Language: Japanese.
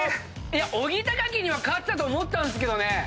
おぎたかきには勝ってたと思ったんですけどね。